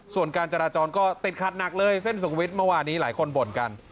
ส่วนการจราจรก็ติดขัดหนักเลยเส้นสุขวิทย์เมื่อวานี้หลายคนบ่นกัน